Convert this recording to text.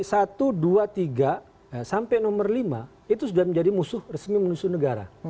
satu dua tiga sampai nomor lima itu sudah menjadi musuh resmi musuh negara